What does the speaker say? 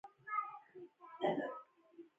جګړه د انسان د ژوند ریښې پرې کوي